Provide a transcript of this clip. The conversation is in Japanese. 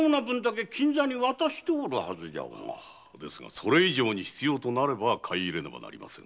それ以上に必要となれば買い入れねばなりません。